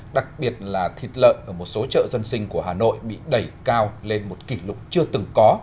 đặc biệt là thịt lợn ở một số chợ dân sinh của hà nội bị đẩy cao lên một kỷ lục chưa từng có